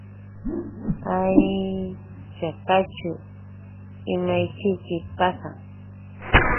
Hay chakaćhu ¿imaćhiki pasan?